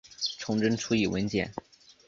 崇祯初谥文简。